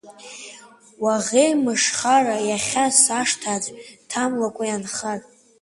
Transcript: Уаӷеимышхара, иахьа сашҭа аӡә дҭамлакәа иаанхар.